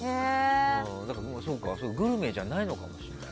グルメじゃないのかもしれないな。